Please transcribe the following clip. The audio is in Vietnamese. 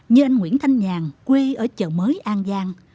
như anh nguyễn thanh nhàn quê ở chợ mới an giang